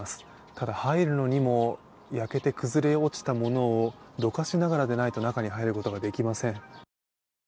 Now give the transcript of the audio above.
ただ、入るのにも焼けて崩れ落ちたものをどかしながらでないと中に入ることができません。